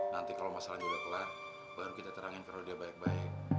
nanti kalo masalahnya udah kelar baru kita terangin ke rodya baik baik